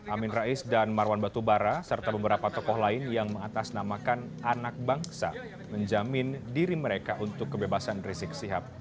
amin rais dan marwan batubara serta beberapa tokoh lain yang mengatasnamakan anak bangsa menjamin diri mereka untuk kebebasan rizik sihab